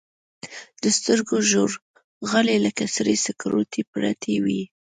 د سترګو ژورغالي لكه سرې سكروټې پرتې وي.